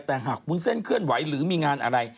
แต่หากวุ้นเส้นเคลื่อนไหวหรือมีงานอะไร